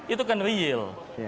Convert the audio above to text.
itu kan real